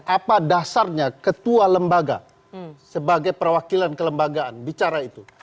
apa dasarnya ketua lembaga sebagai perwakilan kelembagaan bicara itu